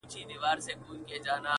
پر دواړو غاړو مېشتو افغانانو مبارک وي